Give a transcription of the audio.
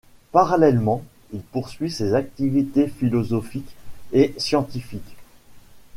Parallèlement, il poursuit ses activités philosophiques et scientifiques.